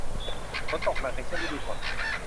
ฝนตกหนักในช่วงฤดูฝน